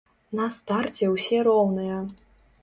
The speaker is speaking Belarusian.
На старце ўсе роўныя.